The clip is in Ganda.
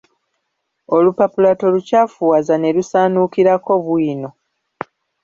Olupapula tolukyafuwaza ne lusaanuukirako bwino.